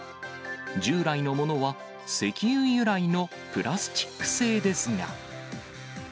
従来のものは、石油由来のプラスチック製ですが。